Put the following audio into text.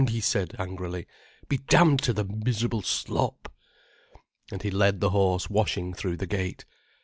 he said angrily. "Be damned to the miserable slop." And he led the horse washing through the gate.